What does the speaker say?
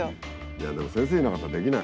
いやでも先生いなかったらできない。